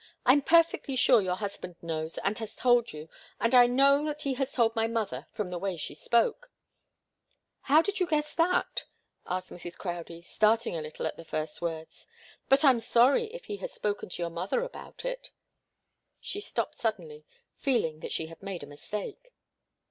I'm perfectly sure your husband knows, and has told you, and I know that he has told my mother, from the way she spoke " "How did you guess that?" asked Mrs. Crowdie, starting a little at the first words. "But I'm sorry if he has spoken to your mother about it " She stopped suddenly, feeling that she had made a mistake.